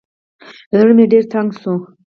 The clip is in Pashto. زړه مې ډېر تنګ سوى و.